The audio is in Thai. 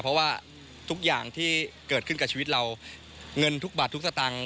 เพราะว่าทุกอย่างที่เกิดขึ้นกับชีวิตเราเงินทุกบาททุกสตางค์